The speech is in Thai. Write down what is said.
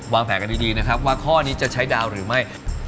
แผลกันดีนะครับว่าข้อนี้จะใช้ดาวหรือไม่